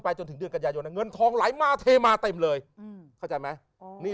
จนถึงเดือนกันยายนเงินทองไหลมาเทมาเต็มเลยเข้าใจไหม